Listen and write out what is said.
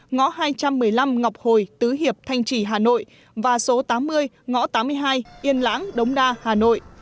ngõ hai trăm một mươi năm ngọc hồi tứ hiệp thanh trì hà nội và số tám mươi ngõ tám mươi hai yên lãng đống đa hà nội